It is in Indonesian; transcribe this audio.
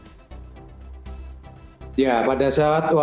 oke jadi ini adalah pertanyaan yang kita akan menjawab